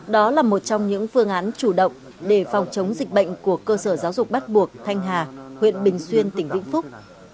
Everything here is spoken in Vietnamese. đó là một trong những phương án chủ động để phòng chống dịch bệnh của cơ sở giáo dục bắt buộc thanh hà huyện bình xuyên tỉnh vĩnh phúc